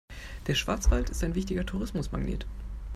Der Schwarzwald ist ein wichtiger Touristenmagnet.